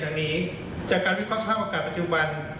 อย่างนี้จากการวิเคราะห์สภาพอากาศปัจจุบัน